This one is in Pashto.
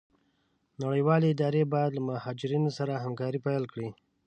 نړيوالي اداري بايد له مهاجرينو سره همکاري پيل کړي.